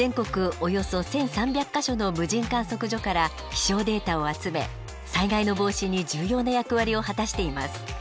およそ１，３００か所の無人観測所から気象データを集め災害の防止に重要な役割を果たしています。